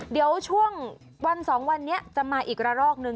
เดี๋ยวช่วงวัน๒วันนี้จะมาอีกระรอกนึง